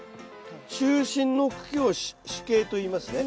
中心の茎を主茎といいますね。